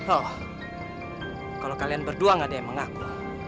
oh kalau kalian berdua gak ada yang mengaku